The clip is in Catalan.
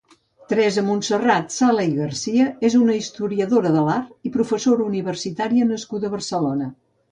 Teresa-Montserrat Sala i Garcia és una historiadora de l'art i professora universitària nascuda a Barcelona.